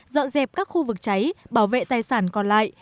giúp các khu vực cháy bảo vệ tài sản còn lại